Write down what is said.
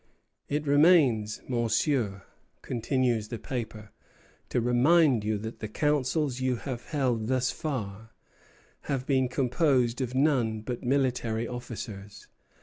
It remains, Monsieur," continues the paper, "to remind you that the councils you have held thus far have been composed of none but military officers.